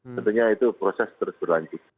tentunya itu proses terus berlanjut